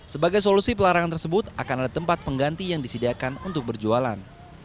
sebagai solusi pelarangan tersebut akan ada tempat pengganti yang disediakan untuk berjualan